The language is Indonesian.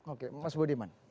oke mas bodiman